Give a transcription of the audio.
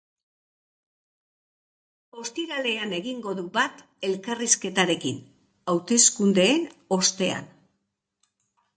Ostiralean egingo du bat elkarrizketarekin, hauteskundeen ostean.